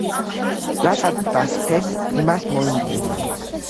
რასაც დასთეს, იმას მოიმკი